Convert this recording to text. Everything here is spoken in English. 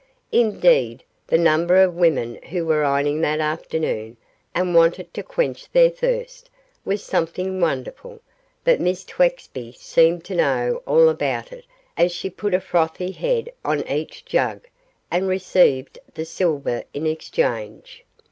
Indeed, the number of women who were ironing that afternoon, and wanted to quench their thirst, was something wonderful; but Miss Twexby seemed to know all about it as she put a frothy head on each jug, and received the silver in exchange.